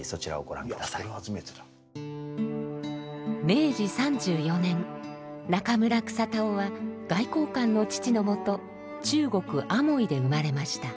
明治３４年中村草田男は外交官の父のもと中国アモイで生まれました。